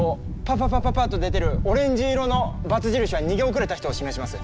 パパッと出てるオレンジ色の×印は逃げ遅れた人を示します。